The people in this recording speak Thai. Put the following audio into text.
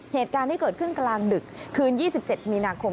เหตุการณ์ที่เกิดขึ้นกลางดึกคืน๒๗มีนาคม